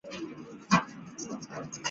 吗氯贝胺药物的可逆抑制剂。